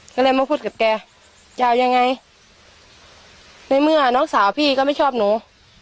ก็เลยมาพูดกับแกจะเอายังไงในเมื่อน้องสาวพี่ก็ไม่ชอบหนู